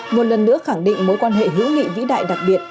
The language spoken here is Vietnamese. một lần nữa khẳng định mối quan hệ hữu nghị vĩ đại đặc biệt